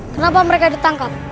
kenapa mereka ditangkap